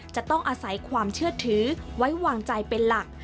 จะต้องอาศัยความเชื่อถือไว้วางใจเป็นหลัก